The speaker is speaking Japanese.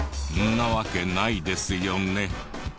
なわけないですよね。